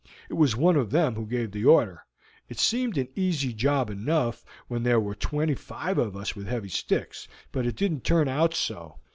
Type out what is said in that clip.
It was one of them who gave the order. It seemed an easy job enough when there were twenty five of us with heavy sticks, but it didn't turn out so.